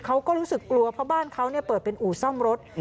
เขาก็รู้สึกกลัวเพราะบ้านเขาเปิดเป็นอู่ซ่อมรถ